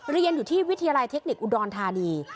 เรียนอยู่ที่วิทยาลัยเทคนิคอุดรธานี